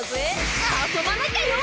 遊ばなきゃよ！